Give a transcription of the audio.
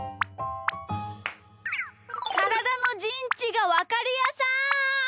からだのじんちがわかるやさん！